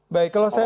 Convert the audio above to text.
baik kalau saya